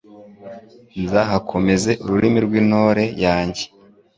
nzahakomeze urumuri rw’intore yanjye